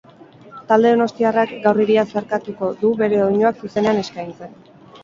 Talde donostiarrak gaur hiria zeharkatuko du bere doinuak zuzenean eskaintzen.